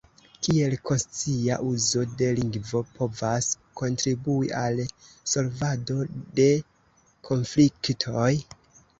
Kiel konscia uzo de lingvo povas kontribui al solvado de konfliktoj?